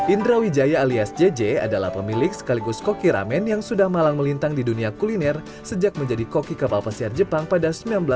indra wijaya alias jj adalah pemilik sekaligus koki ramen yang sudah malang melintang di dunia kuliner sejak menjadi koki kapal pesiar jepang pada seribu sembilan ratus delapan puluh